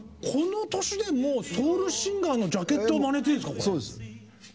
この年でもうソウルシンガーのジャケットをまねてるんですか？